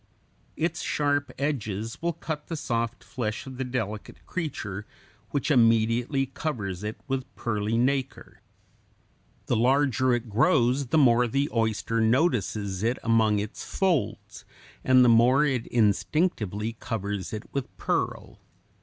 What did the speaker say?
Its sharp edges will cut the soft flesh of the delicate creature, which immediately covers it with pearly nacre. The larger it grows the more the oyster notices it among its folds, and the more it instinctively covers it with pearl.